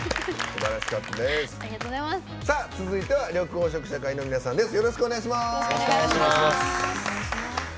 続いては緑黄色社会の皆さんです。